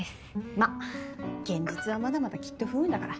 ま現実はまだまだきっと不運だから。